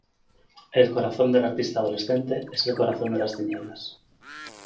El corazón del artista adolescente es el corazón de las tinieblas.